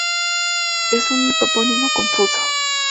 Es un topónimo confuso.